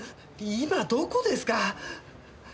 今どこですか？